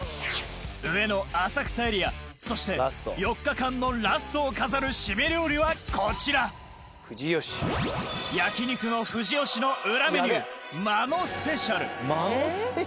上野・浅草エリアそして４日間のラストを飾るシメ料理はこちら焼肉乃富士吉の裏メニューマノスペシャル？